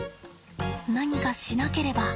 何かしなければ！